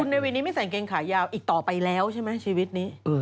ในวินนี้ไม่ใส่กางเกงขายาวอีกต่อไปแล้วใช่ไหมชีวิตนี้